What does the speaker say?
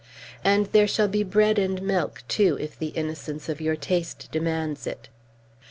And there shall be bread and milk, too, if the innocence of your taste demands it."